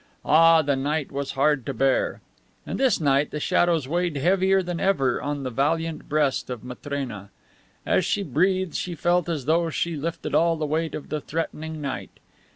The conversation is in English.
Ah, the night was hard to bear. And this night the shadows weighed heavier than ever on the valiant breast of Matrena. As she breathed she felt as though she lifted all the weight of the threatening night.